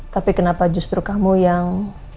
tapi kenapa justru kamu yang